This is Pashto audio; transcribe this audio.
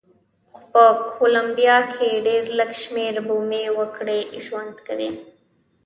خو په کولمبیا کې ډېر لږ شمېر بومي وګړي ژوند کوي.